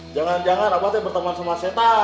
jangan jangan gue berteman sama setan